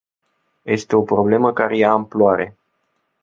Este o problemă care ia amploare.